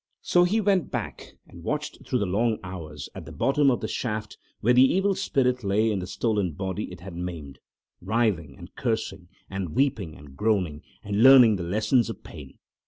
So he went back and watched through the long hours at the bottom of the shaft where the evil spirit lay in the stolen body it had maimed, writhing and cursing, and weeping and groaning, and learning the lesson of pain.